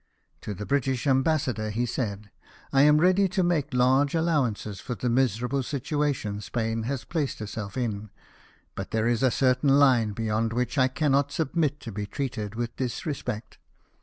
To the British Ambassador he said :" I am ready to make large allowances for the miserable situation Spain has placed herself in ; but there is a certain line beyond which I cannot submit to be treated with disrespect.